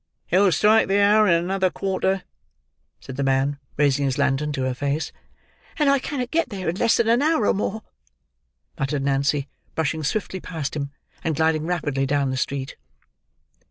"It'll strike the hour in another quarter," said the man: raising his lantern to her face. "And I cannot get there in less than an hour or more," muttered Nancy: brushing swiftly past him, and gliding rapidly down the street.